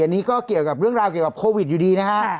อันนี้ก็เกี่ยวกับเรื่องราวเกี่ยวกับโควิดอยู่ดีนะฮะ